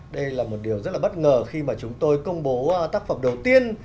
đây là một điều rất là bất ngờ khi mà chúng tôi công bố tác phẩm đầu tiên